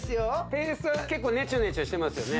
ペーストは結構ネチョネチョしてますよね